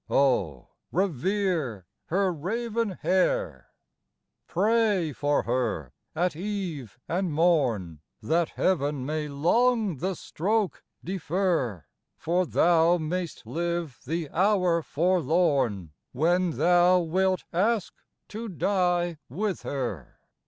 Oh, revere her raven hair! Pray for her at eve and morn, That Heaven may long the stroke defer, For thou mayst live the hour forlorn When thou wilt ask to die with her.